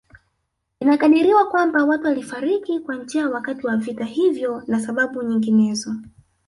Inakadiriwa kwamba watu walifariki kwa njaa wakati wa vita hivyo na sababu nyinginezo